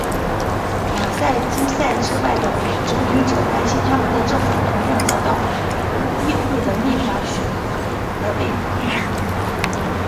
马萨诸塞之外的殖民者担心他们的政府同样遭到议会的立法许可而被更改。